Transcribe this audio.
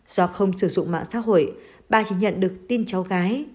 do không sử dụng mạng xã hội bà chỉ nhận được tin cháu gái